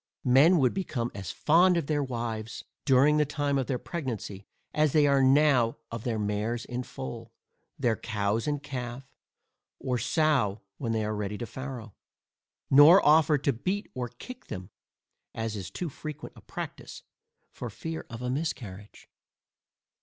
Men would become as fond of their wives, during the time of their pregnancy, as they are now of their mares in foal, their cows in calf, or sows when they are ready to farrow; nor offer to beat or kick them (as is too frequent a practice) for fear of a miscarriage.